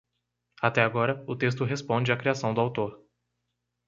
Até agora, o texto responde à criação do autor.